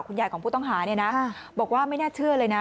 ยายของผู้ต้องหาเนี่ยนะบอกว่าไม่น่าเชื่อเลยนะ